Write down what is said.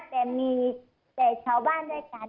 แต่มีแต่ชาวบ้านด้วยกัน